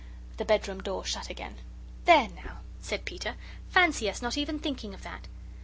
The bedroom door shut again. "There now!" said Peter; "fancy us not even thinking of that!